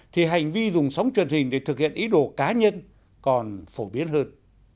thì hành vi dùng sóng truyền hình để thực hiện ý đồ cá nhân còn phổ biến hơn